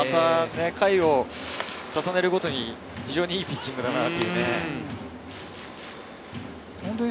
回を重ねるごとに非常にいいピッチングだなというふうに。